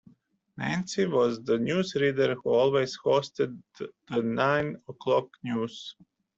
Nancy was the newsreader who always hosted the nine o'clock news